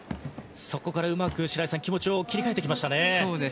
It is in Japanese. そこからうまく、白井さん気持ちを切り替えましたね。